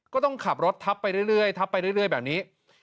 ก็ต้องขับรถทับไปเรื่อยแบบนี้